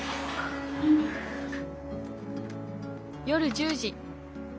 夜１０時。